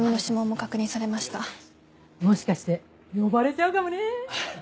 もしかして呼ばれちゃうかもね。